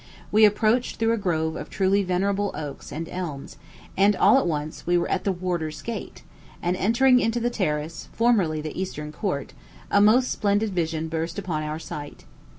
We approached through a grove of truly venerable oaks and elms, and all at once we were at the warder's gate; and entering into the terrace, formerly the eastern court, a most splendid vision burst upon our sight.